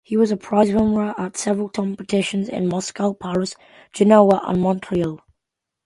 He was a prizewinner at several competitions in Moscow, Paris, Genoa, and Montreal.